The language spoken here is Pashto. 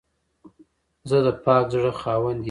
زه د پاک زړه خاوند یم.